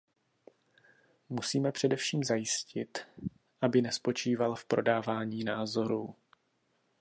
Musíme především zajistit, aby nespočíval v prodávání názorů.